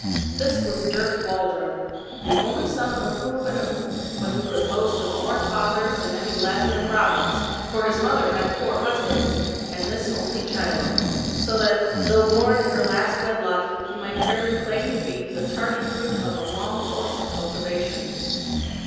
This was Dirk Waldron, the only son of a poor widow, but who could boast of more fathers than any lad in the province, for his mother had had four husbands, and this only child, so that, though born in her last wedlock, he might fairly claim to be the tardy fruit of a long course of cultivation.